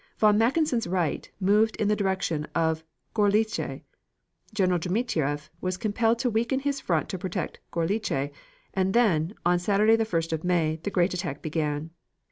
Von Mackensen's right moved in the direction of Gorlice. General Dmitrieff was compelled to weaken his front to protect Gorlice and then, on Saturday, the 1st of May, the great attack began.